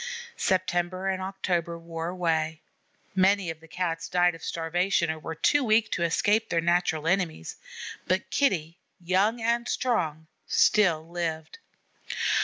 September and October wore away. Many of the Cats died of starvation or were too weak to escape their natural enemies. But Kitty, young and strong, still lived.